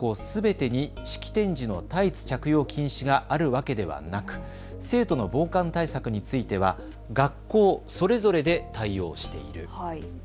すべてに式典時のタイツ着用禁止があるわけではなく生徒の防寒対策については学校それぞれで対応している。